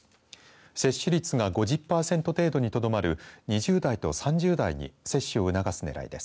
接種率が５０パーセント程度にとどまる２０代と３０代に接種を促すねらいです。